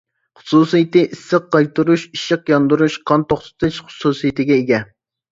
خۇسۇسىيىتى ئىسسىق قايتۇرۇش، ئىششىق ياندۇرۇش، قان توختىتىش خۇسۇسىيىتىگە ئىگە.